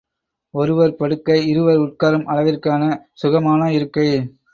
ஒருவர் படுக்க இருவர் உட்காரும் அளவிற்கான சுகமான இருக்கை.